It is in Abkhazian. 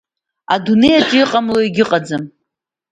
Адунеи аҿы иҟамло егьыҟаӡам.